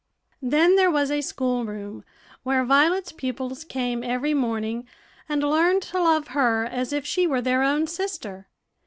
Then there was a school room, where Violet's pupils came every morning, and learned to love her as if she were their own sister.